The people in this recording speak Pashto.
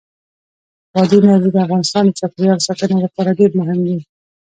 بادي انرژي د افغانستان د چاپیریال ساتنې لپاره ډېر مهم دي.